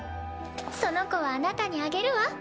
その子はあなたにあげるわ。